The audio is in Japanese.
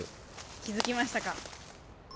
気付きましたか。